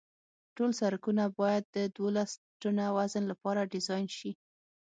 ټول سرکونه باید د دولس ټنه وزن لپاره ډیزاین شي